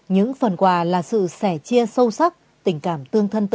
những phần quà là sự sẻ chia sâu sắc tình cảm tương thân tự